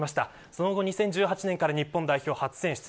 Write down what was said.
その後、２０１８年から日本代表初選出。